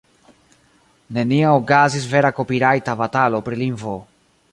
Neniam okazis vera kopirajta batalo pri lingvo